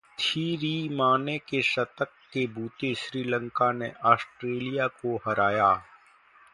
थिरिमाने के शतक के बूते श्रीलंका ने ऑस्ट्रेलिया को हराया